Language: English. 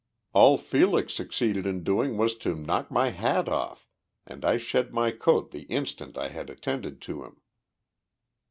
All Felix succeeded in doing was to knock my hat off, and I shed my coat the instant I had attended to him."